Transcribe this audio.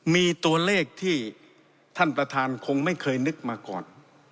มีตัวเลขที่ท่านประธานคงไม่เคยนึกมาก่อน